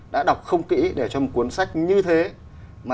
đã đọc không kỹ để cho một cuốn sách như thế